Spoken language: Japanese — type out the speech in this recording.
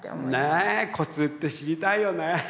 ねえコツって知りたいよねえ！